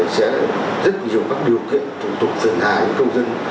sẽ rất nhiều các điều kiện thủ tục dừng hài cư dân